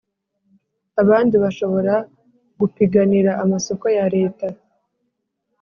Abandi bashobora gupiganira amasoko ya leta